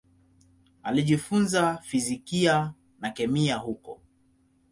Alijifunza fizikia na kemia huko.